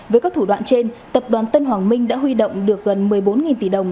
với các thủ đoạn trên tập đoàn tân hoàng minh đã huy động được gần một mươi bốn tỷ đồng